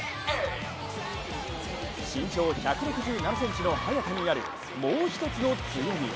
身長１６７ｃｍの早田にあるもう一つの強み。